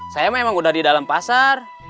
saya memang udah di dalam pasar